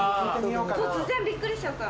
突然びっくりしちゃった。